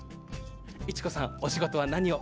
イチコさんお仕事は何を？